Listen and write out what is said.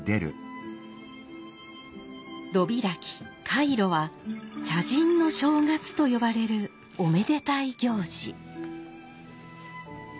炉開き開炉は「茶人の正月」と呼ばれるおめでたい行事。